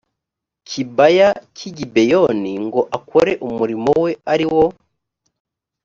kibaya cy i gibeyoni ngo akore umurimo we ari wo